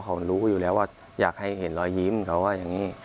เขารู้อยู่แล้วว่าอยากให้เห็นรอยยิ้มเขาว่าอย่างนี้